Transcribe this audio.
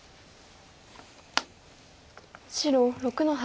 白６の八。